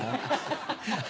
ハハハ。